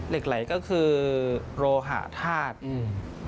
เหล็กไหลก็คือโรหะธาตุอืม